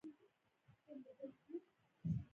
ویده ذهن د زړه ارمانونه راژوندي کوي